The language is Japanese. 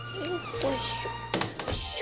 よいしょ。